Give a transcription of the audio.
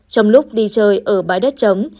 trong lúc đi chơi ở bãi đất chống